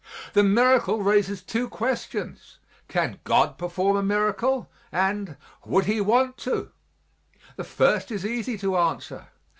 The miracle raises two questions: "Can God perform a miracle?" and, "Would He want to?" The first is easy to answer.